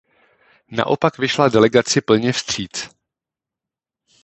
Naopak vyšla delegaci plně vstříc.